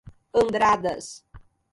Andradas